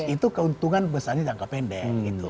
itu keuntungan besarnya jangka pendek